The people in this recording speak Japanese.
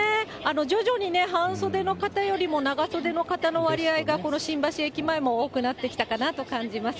徐々にね、半袖の方よりも、長袖の方の割合が新橋駅前も多くなってきたなと感じます。